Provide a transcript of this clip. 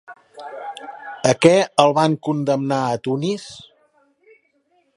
A què el van condemnar a Tunis?